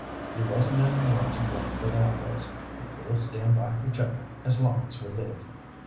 "You wasn't any more to blame than I was, and we'll stand by each other as long as we live."